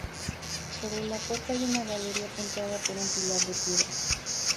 Sobre de la puerta hay una galería apuntada por un pilar de piedra.